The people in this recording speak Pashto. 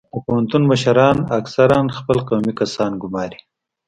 د پوهنتون مشران اکثرا خپل قومي کسان ګماري